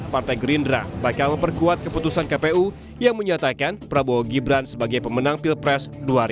partai gerindra bakal memperkuat keputusan kpu yang menyatakan prabowo gibran sebagai pemenang pilpres dua ribu sembilan belas